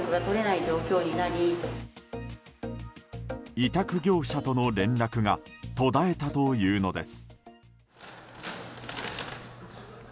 委託業者との連絡が途絶えたというのです。